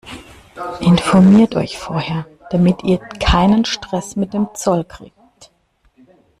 Informiert euch vorher, damit ihr keinen Stress mit dem Zoll kriegt!